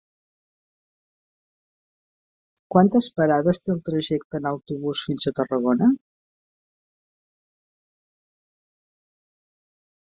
Quantes parades té el trajecte en autobús fins a Tarragona?